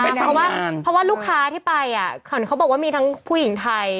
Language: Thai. เพราะว่าเพราะว่าลูกค้าที่ไปเขาบอกว่ามีทั้งผู้หญิงไทย